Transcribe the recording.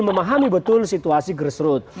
memahami betul situasi grassroots